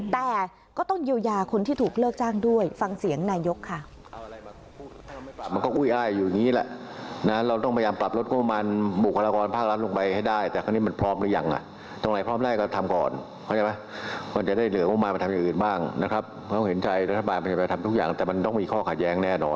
แต่ก็ต้องเยียวยาคนที่ถูกเลิกจ้างด้วยฟังเสียงนายกค่ะ